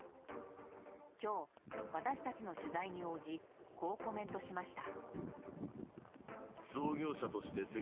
今日、私たちの取材に応じこうコメントしました。